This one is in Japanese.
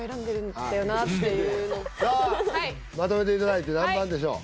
たださあまとめていただいて何番でしょう？